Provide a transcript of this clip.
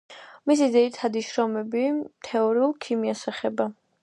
მისი ძირითადი შრომები თეორიულ ქიმიას ეხება.